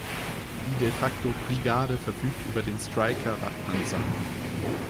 Die De-facto-Brigade verfügt über den "Stryker"-Radpanzer.